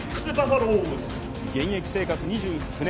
現役生活２９年。